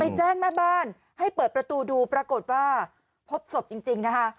แจ้งแม่บ้านให้เปิดประตูดูปรากฏว่าพบศพจริงนะคะ